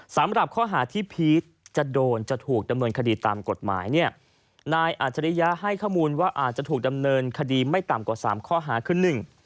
สำหรับข้อหาที่พีชจะโดนจะถูกดำเนินคดีตามกฎหมายเนี่ยนายอัจฉริยะให้ข้อมูลว่าอาจจะถูกดำเนินคดีไม่ต่ำกว่าสามข้อหาคือหนึ่ง